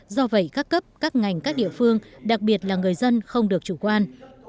do vậy các cấp các ngành các địa phương đặc biệt là người dân không được chủ quan